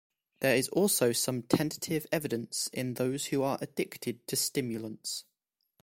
There is also some tentative evidence in those who are addicted to stimulants.